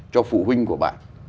cho phụ huynh của bạn